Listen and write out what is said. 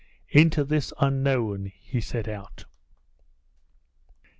Into this unknown he set out.